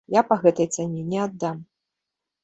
Я па гэтай цане не аддам!